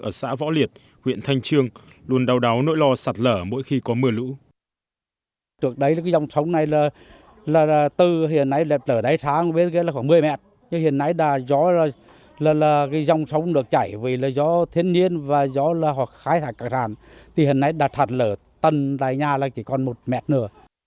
ở xã võ liệt huyện thanh trương luôn đau đáo nỗi lo sạt lở mỗi khi có mưa lũ